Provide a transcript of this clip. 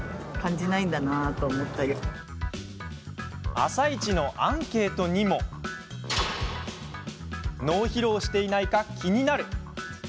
「あさイチ」のアンケートにも「脳疲労していないか気になる」